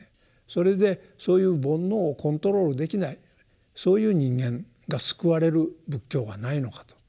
それでそういう煩悩をコントロールできないそういう人間が救われる仏教はないのかと。